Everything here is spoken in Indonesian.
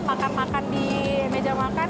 makan makan di meja makan